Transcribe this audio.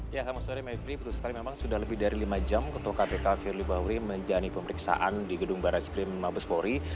ya selamat sore mayfri betul sekali memang sudah lebih dari lima jam ketua kpk firly bahuri menjalani pemeriksaan di gedung barai skrim mabespori